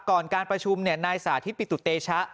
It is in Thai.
การประชุมนายสาธิตปิตุเตชะ